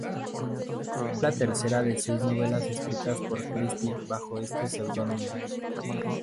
Fue la tercera de seis novelas escritas por Christie bajo este pseudónimo.